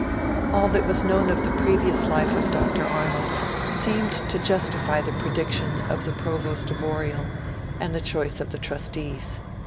All that was known of the previous life of Dr. Arnold seemed to justify the prediction of the Provost of Oriel, and the choice of the Trustees.